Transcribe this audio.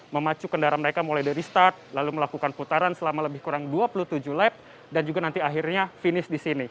memacu kendaraan mereka mulai dari start lalu melakukan putaran selama lebih kurang dua puluh tujuh lap dan juga nanti akhirnya finish di sini